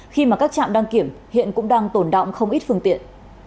khi mà các trạm đăng kiểm hiện cũng đang tồn động không ít phương tiện